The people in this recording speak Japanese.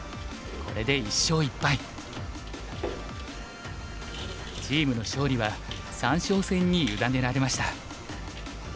これでチームの勝利は三将戦に委ねられました。